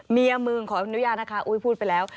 เมียมึงขออนุญาตนะคะอุ๊ยพูดไปแล้ว